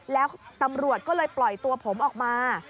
แล้วตำรวจก็เลยปล่อยตัวผมออกมา